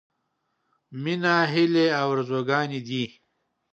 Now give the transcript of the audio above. — مينه هيلې او ارزوګانې دي.